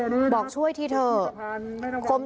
นี่บอกช่วยที่เถอะ